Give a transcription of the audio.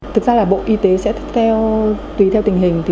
thực ra là bộ y tế sẽ theo tùy theo tình hình